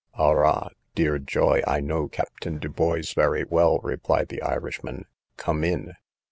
—Arrah, dear joy, I know Captain Dubois very well, replied the Irishman, come in.